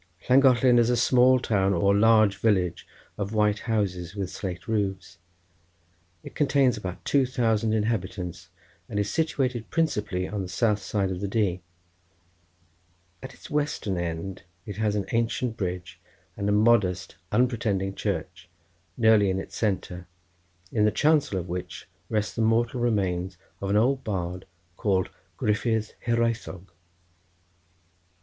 Llangollen is a small town or large village of white houses with slate roofs, it contains about two thousand inhabitants, and is situated principally on the southern side of the Dee. At its western end it has an ancient bridge and a modest unpretending church nearly in its centre, in the chancel of which rest the mortal remains of an old bard called Gryffydd Hiraethog.